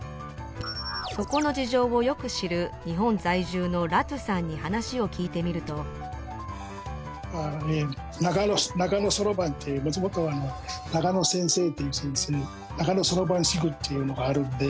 そこの事情をよく知る日本在住のラトゥさんに話を聞いてみるともともと中野先生という先生中野そろばん塾というのがあるので。